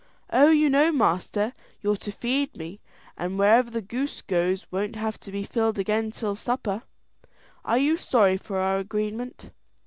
"Oh, you know, master, you're to feed me, and wherever the goose goes won't have to be filled again till supper. Are you sorry for our agreement?"